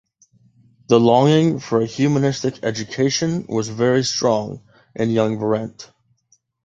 The longing for a humanistic education was very strong in young Berent.